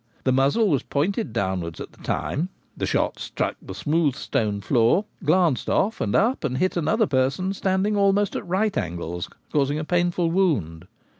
The muzzle was pointed downwards at the time — the shot struck the smooth stone floor, glanced off and up and hit another person standing almost at right angles, causing a painful wound.